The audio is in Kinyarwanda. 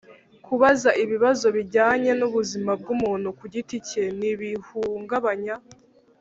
kubaza ibibazo bijyanye n‘ubuzima bw‘umuntu ku giti cye ntibihungabanya